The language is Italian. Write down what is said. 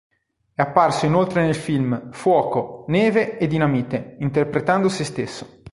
È apparso inoltre nel film "Fuoco, neve e dinamite" interpretando sé stesso.